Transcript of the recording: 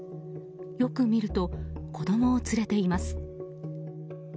よく見ると、子供を連れています。